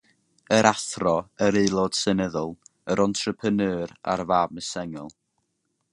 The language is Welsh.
Yr athro, yr Aelod Seneddol, yr entrepreneur a'r fam sengl.